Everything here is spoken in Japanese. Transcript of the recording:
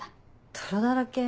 泥だらけ。